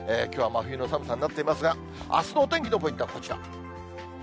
きょうは真冬の寒さになっていますが、あすのお天気のポイントはこちら。